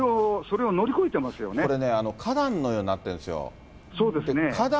これね、花壇のようになってそうですね。